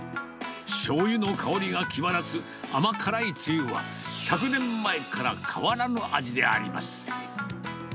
しょうゆの香りが際立つ甘辛いつゆは、１００年前から変わらぬ味であります。